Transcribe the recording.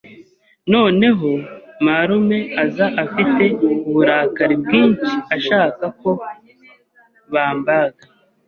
noneho marume aza afite uburakari bwinshi ashaka ko bambaga